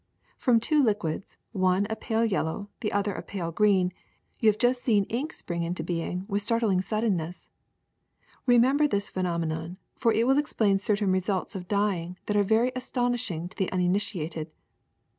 From two liquids, one a pale yel low, the other a pale green, you have ,iust seen ink spring into being with startling suddenness. Re member this phenomenon, for it will explain certain results of dyeing that are very astonishing to the un initiated.